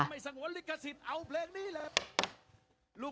ไม่สงวนลิขสิทธิ์เอาเพลงนี้เลย